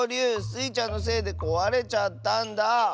スイちゃんのせいでこわれちゃったんだ。